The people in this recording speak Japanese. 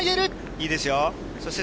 いいですよ。